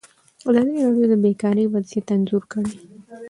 ازادي راډیو د بیکاري وضعیت انځور کړی.